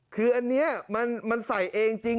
คืออันนี้มันใส่เองจริง